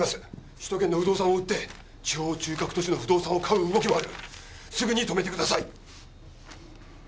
首都圏の不動産を売って地方中核都市の不動産を買う動きもあるすぐに止めてください